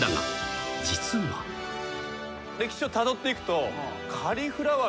歴史をたどっていくと。